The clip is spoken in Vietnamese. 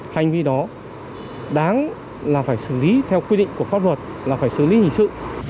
hành vi đó đáng là phải xử lý theo quy định của pháp luật là phải xử lý hình sự